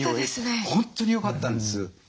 本当によかったんです。